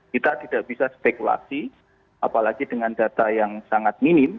kita tidak bisa spekulasi apalagi dengan data yang sangat minim